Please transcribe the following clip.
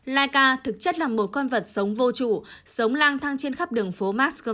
laika thực chất là một con vật sống vô chủ sống lang thang trên khắp đường phố moscow